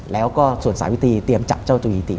แล้วก็ส่วนสายิตีเตรียมจับเจ้าตัวยิติ